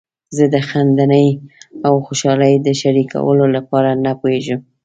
زه د خندنۍ او خوشحالۍ د شریکولو لپاره نه پوهیږم.